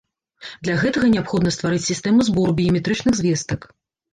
Для гэтага неабходна стварыць сістэму збору біяметрычных звестак.